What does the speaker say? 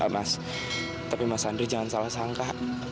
mas tapi mas andri jangan salah sangka